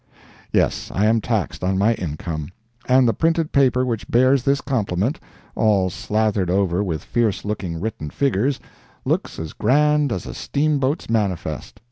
Yes, I am taxed on my income. And the printed paper which bears this compliment—all slathered over with fierce looking written figures—looks as grand as a steamboat's manifest.